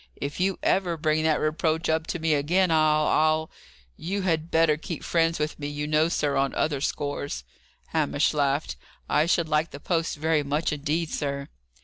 "If you ever bring that reproach up to me again, I'll I'll You had better keep friends with me, you know, sir, on other scores." Hamish laughed. "I should like the post very much indeed, sir."